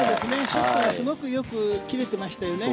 ショットがすごくよく切れていましたよね。